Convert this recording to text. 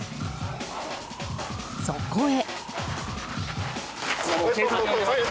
そこへ。